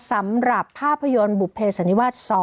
สำหรับภาพยนตร์บุเภสันนิวาส๒